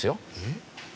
えっ？